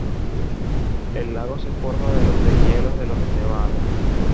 El lago se forma de los deshielos de los nevados.